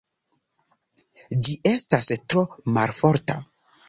Ĝi estas tro malforta.